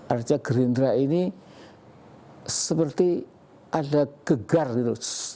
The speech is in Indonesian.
artinya gerindra ini seperti ada gegar gitu